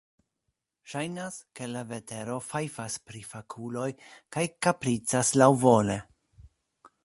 Ŝajnas, ke la vetero fajfas pri fakuloj kaj kapricas laŭvole.